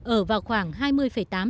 ở vào khoảng hai năm km